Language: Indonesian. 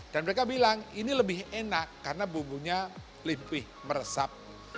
dan mereka bilang ini lebih enak karena bumbunya lebih meresap